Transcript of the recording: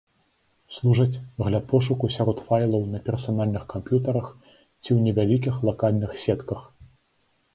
Служаць для пошуку сярод файлаў на персанальных камп'ютарах ці ў невялікіх лакальных сетках.